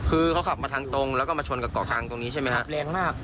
คือเขาขับมาทางตรงแล้วก็มาชนกับเกาะกลางตรงนี้ใช่ไหมครับแรงมาก